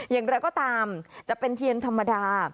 อย่างไรก็ตามจะเป็นเทียนธรรมดา